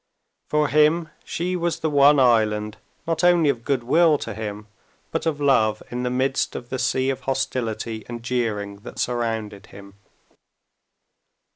For him she was the one island not only of goodwill to him, but of love in the midst of the sea of hostility and jeering that surrounded him.